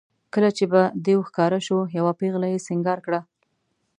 کله چې به دېو ښکاره شو یوه پېغله یې سینګار کړه.